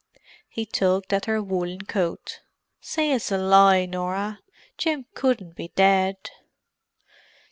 He tugged at her woollen coat. "Say it's a lie, Norah—Jim couldn't be dead!"